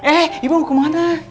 eh ibu mau kemana